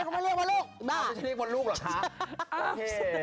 พี่เจ๊เขาไม่เรียกว่าลูกบ้ามันอาจจะเรียกว่าลูกหรอคะ